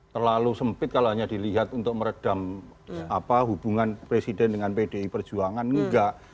terlalu sempit kalau hanya dilihat untuk meredam hubungan presiden dengan pdi perjuangan enggak